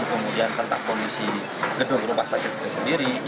kemudian tentang kondisi gedung rumah sakit itu sendiri